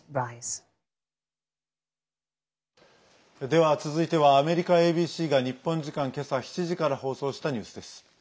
では続いてはアメリカＡＢＣが日本時間けさ７時から放送したニュースです。